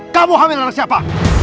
kamu hamil anak siapa